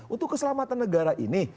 untuk keselamatan negara ini